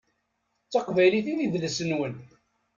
D taqbylit i d idles-nwen.